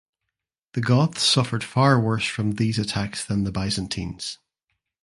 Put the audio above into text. The Goths suffered far worse from these attacks than the Byzantines.